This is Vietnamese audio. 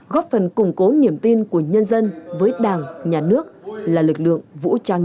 góp phần củng cố niềm tin của nhân dân với đảng nhà nước là lực lượng vũ trang